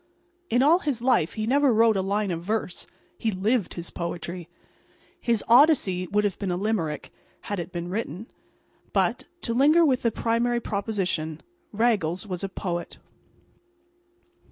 In all his life he never wrote a line of verse; he lived his poetry. His Odyssey would have been a Limerick, had it been written. But, to linger with the primary proposition, Raggles was a poet.